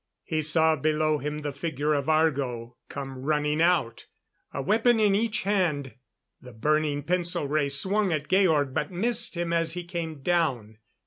He saw below him the figure of Argo come running out. A weapon in each hand. The burning pencil ray swung at Georg, but missed him as he came down.